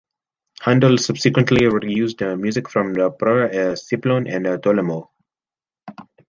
Handel subsequently re-used music from the opera in "Scipione" and "Tolomeo".